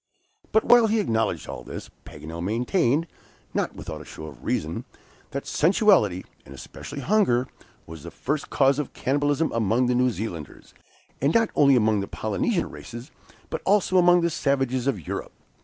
But while he acknowledged all this, Paganel maintained, not without a show of reason, that sensuality, and especially hunger, was the first cause of cannibalism among the New Zealanders, and not only among the Polynesian races, but also among the savages of Europe.